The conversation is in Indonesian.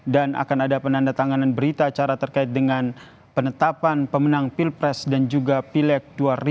dan akan ada penanda tanganan berita acara terkait dengan penetapan pemenang pilpres dan juga pilek dua ribu dua puluh empat